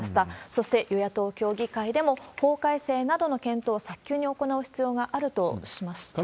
そして与野党協議会でも、法改正などの検討を早急に行う必要があるとしました。